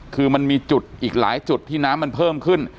คือมันมีจุดอีกหลายจุดที่น้ำมันเพิ่มขึ้น